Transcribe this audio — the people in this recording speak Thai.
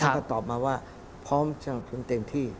ก็ตอบมาว่าพร้อมจะเต็มที่